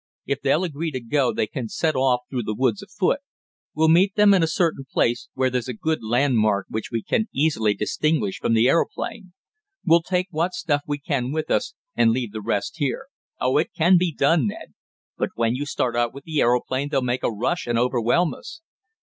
If they'll agree to go they can set off through the woods afoot. We'll meet them in a certain place where there's a good land mark which we can easily distinguish from the aeroplane. We'll take what stuff we can with us, and leave the rest here. Oh, it can be done, Ned." "But when you start out with the aeroplane they'll make a rush and overwhelm us."